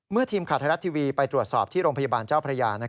ทีมข่าวไทยรัฐทีวีไปตรวจสอบที่โรงพยาบาลเจ้าพระยา